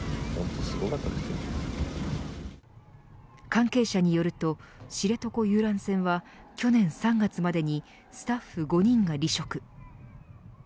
関係者によると知床遊覧船は去年３月までにスタッフ５人が離職。